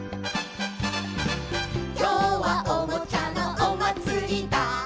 「きょうはおもちゃのおまつりだ」